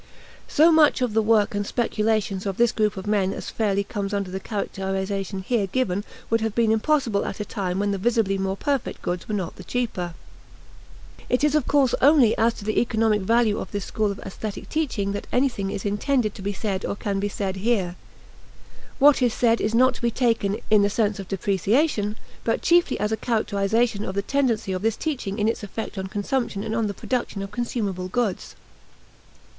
So much of the work and speculations of this group of men as fairly comes under the characterization here given would have been impossible at a time when the visibly more perfect goods were not the cheaper. It is of course only as to the economic value of this school of aesthetic teaching that anything is intended to be said or can be said here. What is said is not to be taken in the sense of depreciation, but chiefly as a characterization of the tendency of this teaching in its effect on consumption and on the production of consumable goods.